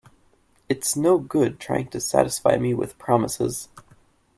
It's no good trying to satisfy me with promises.